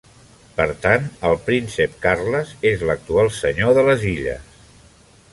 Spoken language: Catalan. Per tant, el príncep Carles és l'actual Senyor de les Illes.